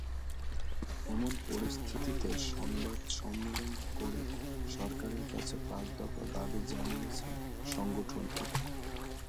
এমন পরিস্থিতিতে সংবাদ সম্মেলন করে সরকারের কাছে পাঁচ দফা দাবি জানিয়েছে সংগঠনটি।